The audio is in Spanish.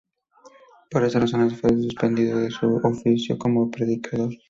Por estas razones fue suspendido de su oficio como predicador.